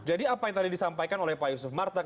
jadi apa yang tadi disampaikan oleh pak yusuf martak